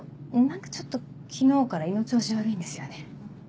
何かちょっと昨日から胃の調子悪いんですよね。